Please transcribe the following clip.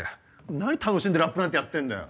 何楽しんでラップなんてやってんだよ？